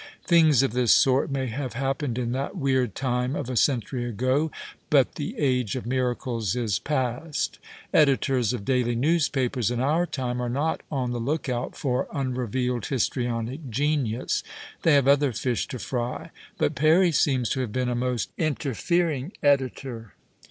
Things of this sort may have happened in that weird time of a century ago, but the age of miracles is passed. Editors of daily news papers in our time are not on the look out for un revealcd histrionic genius. They have other fish to fry. But Perry seems to have been a most inter fering editor.